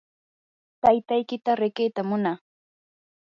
taytaykita riqitam munaa.